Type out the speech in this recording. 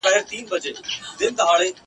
پر ګرېوانه دانه دانه شمېرلې ..